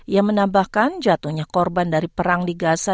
ia menambahkan jatuhnya korban dari perang di gaza